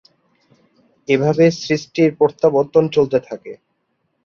এভাবে সৃষ্টির প্রত্যাবর্তন চলতে থাকে।